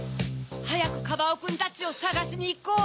はやくカバオくんたちをさがしにいこう。